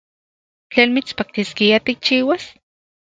¿Tlen mitspaktiskia tikchiuas?